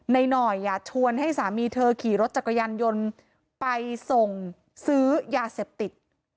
หน่อยชวนให้สามีเธอขี่รถจักรยานยนต์ไปส่งซื้อยาเสพติด